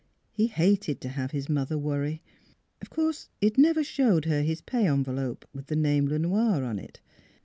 He hated to have his mother worry. Of course he had never showed her his pay envelope with the name Le Noir on it.